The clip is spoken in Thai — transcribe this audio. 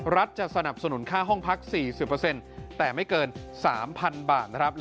จะสนับสนุนค่าห้องพัก๔๐แต่ไม่เกิน๓๐๐๐บาทนะครับ